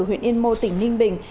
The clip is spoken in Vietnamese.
huyện yên mô tỉnh ninh bình